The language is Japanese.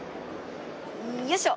よいしょ。